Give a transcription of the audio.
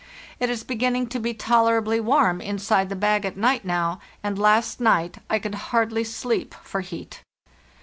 It is beginning to be tolerably warm inside the bag at night now, and last night I could hardly sleep for heat.